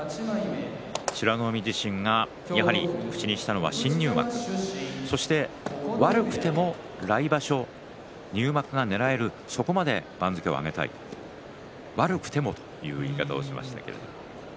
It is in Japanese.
美ノ海関がやはり口にしたのは新入幕そして悪くても、来場所入幕をねらえるところまで番付を上げたい、悪くてもという言い方をしていました。